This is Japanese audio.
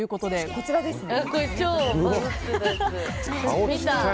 こちらですね。